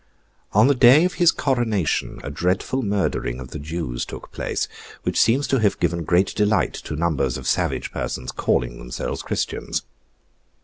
On the day of his coronation, a dreadful murdering of the Jews took place, which seems to have given great delight to numbers of savage persons calling themselves Christians.